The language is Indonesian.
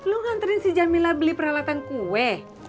lu nganterin si jamila beli peralatan kue